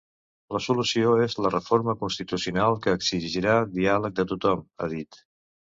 La solució és la reforma constitucional que exigirà diàleg de tothom, ha dit.